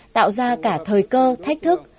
tạo ra cả thời cơ thách thức